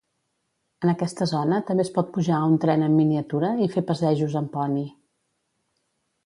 En aquesta zona també es pot pujar a un tren en miniatura i fer passejos en poni.